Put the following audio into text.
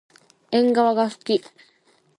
えんがわがすき。